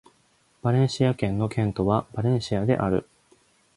バレンシア県の県都はバレンシアである